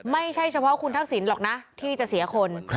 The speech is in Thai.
ไม่ใช่เฉพาะคุณทักษิณหรอกนะที่จะเสียคน